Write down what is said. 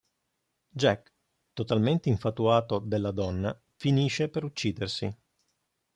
Jack, totalmente infatuato della donna, finisce per uccidersi.